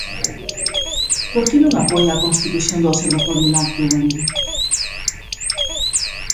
¿Por que non apoia a constitución do Observatorio Lácteo Galego?